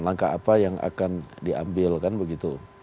langkah apa yang akan diambil kan begitu